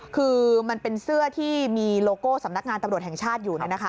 คือมันเป็นเสื้อที่มีโลโก้สำนักงานตำรวจแห่งชาติอยู่